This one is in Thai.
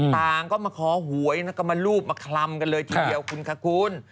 ต่างก็มาขอหวยแล้วก็มารูปมาคลำกันเลยทีเดียวคุณคะคุณ